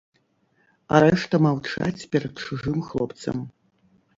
А рэшта маўчаць перад чужым хлопцам.